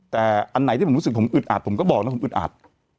แต่อันไหนที่ผมรู้สึกผมอึดอัดผมก็บอกนะผมอึดอัด